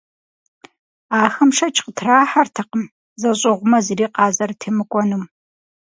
Ахэм шэч къытрахьэртэкъым зэщӏыгъумэ, зыри къазэрытемыкӏуэнум.